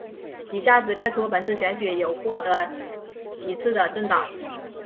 以下只列出本次选举有获得席次的政党